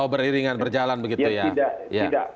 beriringan berjalan begitu ya